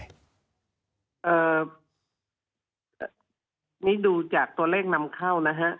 อันนี้ดูจากตัวเลขนำเข้านะฮะ